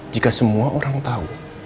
jika semua orang tau